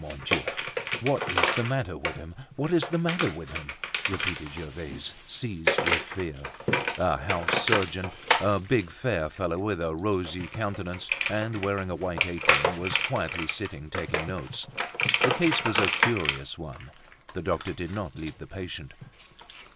"Mon Dieu! what is the matter with him? What is the matter with him?" repeated Gervaise, seized with fear. A house surgeon, a big fair fellow with a rosy countenance, and wearing a white apron, was quietly sitting taking notes. The case was a curious one; the doctor did not leave the patient.